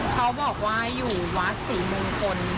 เขาบอกว่าอยู่วัดศรีมงคล